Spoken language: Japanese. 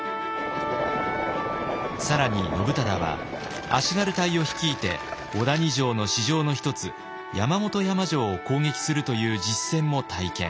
更に信忠は足軽隊を率いて小谷城の支城の一つ山本山城を攻撃するという実戦も体験。